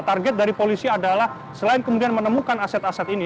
target dari polisi adalah selain kemudian menemukan aset aset ini